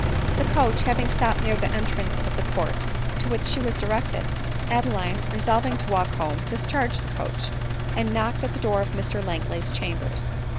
The coach having stopped near the entrance of the court to which she was directed, Adeline, resolving to walk home, discharged the coach, and knocked at the door of Mr Langley's chambers.